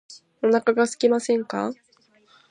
お腹がすきませんか